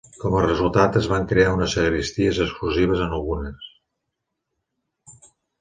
Com a resultat, es van crear unes sagristies exclusives en algunes.